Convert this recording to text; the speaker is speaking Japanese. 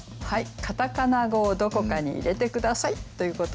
カタカナ語をどこかに入れて下さいということでお願いしました。